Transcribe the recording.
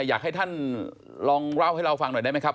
อยากให้ท่านลองเล่าให้เราฟังหน่อยได้ไหมครับ